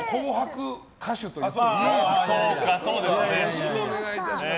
よろしくお願いします。